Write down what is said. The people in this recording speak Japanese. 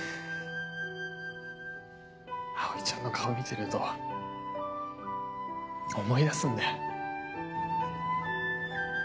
葵ちゃんの顔見てると思い出すんだ。